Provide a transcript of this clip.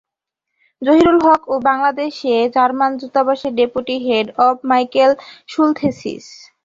জহিরুল হক ও বাংলাদেশে জার্মান দূতাবাসের deputy head of mission Michael শুলথেসিস।